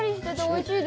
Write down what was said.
おいしい！